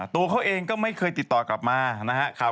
ตัวเขาเองก็ไม่เคยติดต่อกลับมานะครับ